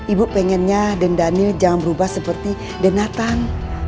ibu pengennya dan daniel jangan berubah seperti dan nathan